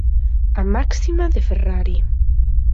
A máxima de Ferrari.